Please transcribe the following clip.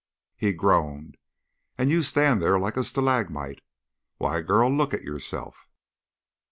He groaned. "And you stand there like a stalagmite. Why, girl, look at yourself!"